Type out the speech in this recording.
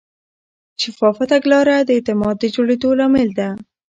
شفافه تګلاره د اعتماد د جوړېدو لامل ده.